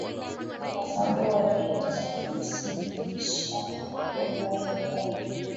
ni kwa sababu waliinasibisha lugha hiyo na